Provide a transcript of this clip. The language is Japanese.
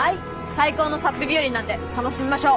最高のサップ日和なんで楽しみましょう。